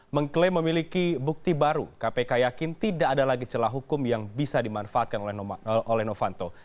mengklaim memiliki bukti baru kpk yakin tidak ada lagi celah hukum yang bisa dimanfaatkan oleh novanto